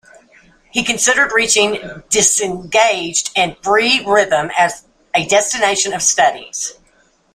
He considered reaching disengaged and free rhythm as a destination of studies.